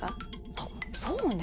あっそうね。